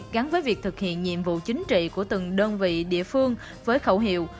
gắn với việc thực hiện nhiệm vụ chính trị của từng đơn vị địa phương với khẩu hiệu